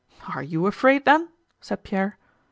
"Are you afraid, then?" said Pierre.